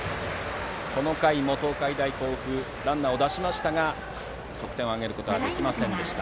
この回も東海大甲府はランナーを出しましたが得点を挙げることはできませんでした。